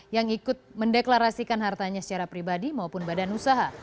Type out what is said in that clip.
yang ikut mendeklarasikan hartanya secara pribadi maupun badan usaha